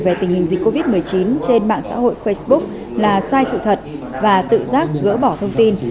về tình hình dịch covid một mươi chín trên mạng xã hội facebook là sai sự thật và tự giác gỡ bỏ thông tin